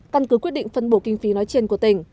căn cứ quyết định phân bổ kinh phí nói trên của tỉnh